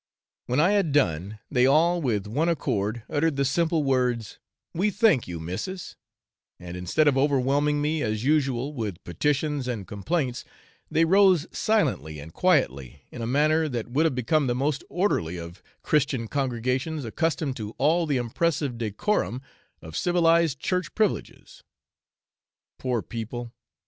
When I had done, they all with one accord uttered the simple words, 'We thank you, missis,' and instead of overwhelming me as usual with petitions and complaints, they rose silently and quietly, in a manner that would have become the most orderly of Christian congregations accustomed to all the impressive decorum of civilised church privileges. Poor people!